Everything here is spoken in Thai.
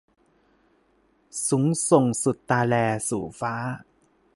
สูงส่งสุดตาแล สู่ฟ้า